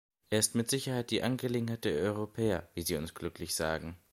Er ist mit Sicherheit die Angelegenheit der Europäer, wie sie uns glücklich sagen.